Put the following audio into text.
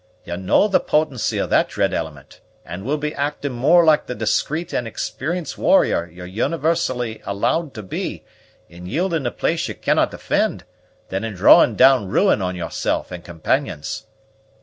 Ye know the potency of that dread element, and will be acting more like the discreet and experienced warrior ye're universally allowed to be, in yielding a place you canna' defend, than in drawing down ruin on yourself and companions."